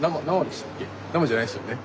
生じゃないですよね？